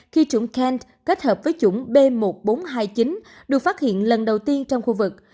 khi chủng can kết hợp với chủng b một nghìn bốn trăm hai mươi chín được phát hiện lần đầu tiên trong khu vực